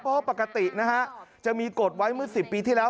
เพราะปกตินะฮะจะมีกฎไว้เมื่อ๑๐ปีที่แล้ว